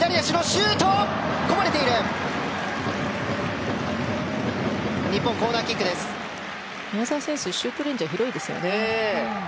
シュートレンジが広いですね。